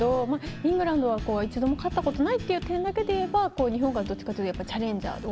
イングランドには一度も勝ったことがないという点だけで言えば日本がどっちかというとチャレンジャー。